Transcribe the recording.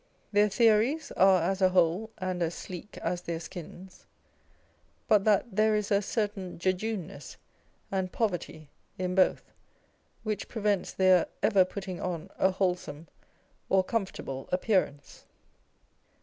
Their theories are as whole and as sleek as their skins, but that there is a certain jejuneness and poverty in both which prevents their ever putting on a wholesome or comfortable appearance.